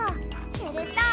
すると。